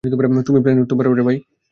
তুমি প্লেনে উঠতে ভয় পাও।